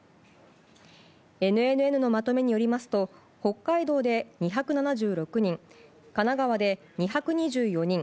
ＮＮＮのまとめによりますと北海道で２７６人神奈川で２２４人